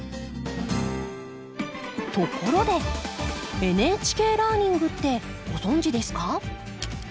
ところで「ＮＨＫラーニング」ってご存じですか？